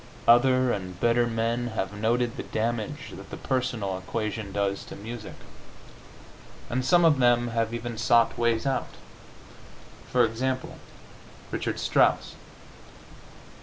Other and better men have noted the damage that the personal equation does to music, and some of them have even sought ways out. For example, Richard Strauss.